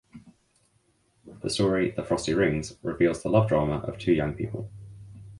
The story "The Frosty Rings" reveals the love drama of two young people.